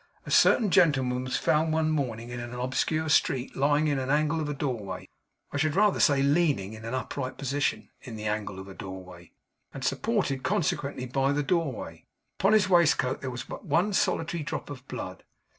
A certain gentleman was found, one morning, in an obscure street, lying in an angle of a doorway I should rather say, leaning, in an upright position, in the angle of a doorway, and supported consequently by the doorway. Upon his waistcoat there was one solitary drop of blood.